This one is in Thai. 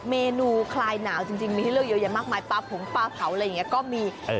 เมนูคลายหนาวจริงมีให้เลือกเยอะแยะมากมายปลาผงปลาเผาอะไรอย่างนี้ก็มี